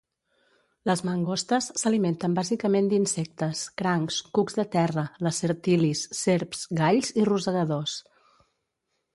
Les mangostes s'alimenten bàsicament d'insectes, crancs, cucs de terra, lacertilis, serps, galls i rosegadors.